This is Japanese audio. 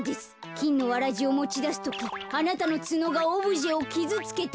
きんのわらじをもちだすときあなたのツノがオブジェをキズつけたのです。